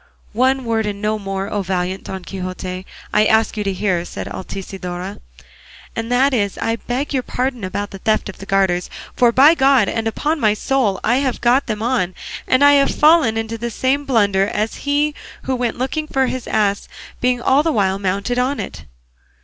"One word and no more, O valiant Don Quixote, I ask you to hear," said Altisidora, "and that is that I beg your pardon about the theft of the garters; for by God and upon my soul I have got them on, and I have fallen into the same blunder as he did who went looking for his ass being all the while mounted on it."